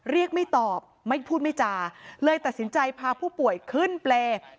เรียกไม่ตอบไม่พูดไม่จาเลยตัดสินใจพาผู้ป่วยขึ้นเปรย์